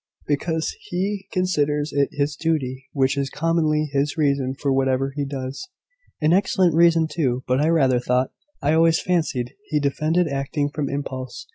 "Because he considers it his duty, which is commonly his reason for whatever he does." "An excellent reason too: but I rather thought I always fancied he defended acting from impulse.